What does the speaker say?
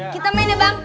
kita main ya bang